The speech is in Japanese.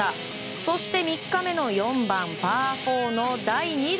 そして３日目の４番、パー４の第２打。